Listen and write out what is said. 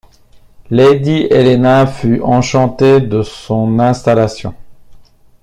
Lady Helena fut enchantée de son installation.